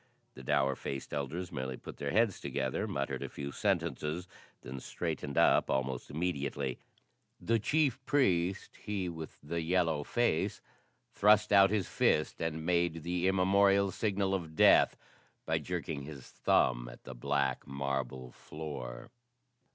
The dour faced elders merely put their heads together, muttered a few sentences, then straightened up almost immediately. The chief priest he with the yellow face thrust out his fist and made the immemorial signal of death by jerking his thumb at the black marble floor.